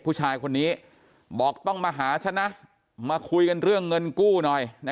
ผู้ชายคนนี้บอกต้องมาหาฉันนะมาคุยกันเรื่องเงินกู้หน่อย